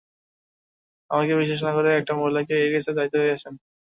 আমাকে বিশ্বাস না করে একটা মহিলাকে এই কেসের দায়িত্ব দিয়েছেন।